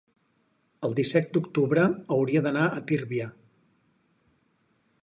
el disset d'octubre hauria d'anar a Tírvia.